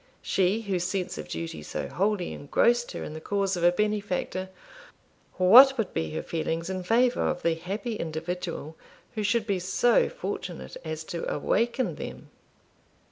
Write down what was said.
She, whose sense of duty so wholly engrossed her in the cause of a benefactor, what would be her feelings in favour of the happy individual who should be so fortunate as to awaken them?